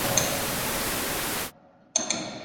星毛冠盖藤为虎耳草科冠盖藤属下的一个种。